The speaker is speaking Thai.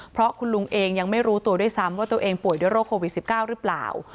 เพราะคุณลุงเองยังไม่รู้ตัวด้วยซ้ำว่าตัวเองป่วยด้วยโรคโควิด๑๙หรือเปล่า